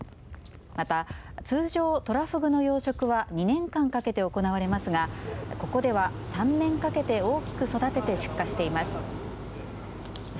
また、通常トラフグの養殖は２年間かけて行われますがここでは３年かけて大きく育てて出荷しています。